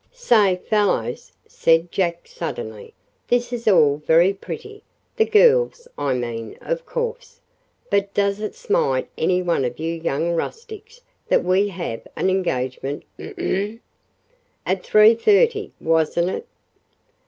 "Say, fellows," said Jack suddenly, "this is all very pretty the girls, I mean, of course but does it smite any one of you young rustics that we have an engagement ahem! At three thirty, wasn't it?"